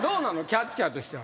キャッチャーとしては。